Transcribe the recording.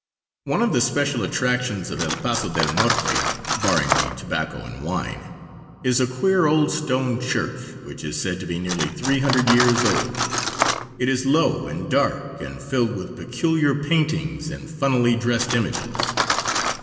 One of the special attractions of El Paso del Norte (barring the tobacco and wine) is a queer old stone church, which is said to be nearly 300 years old. It is low and dark and filled with peculiar paintings and funnily dressed images.